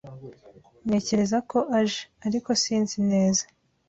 Ntekereza ko aje, ariko sinzi neza.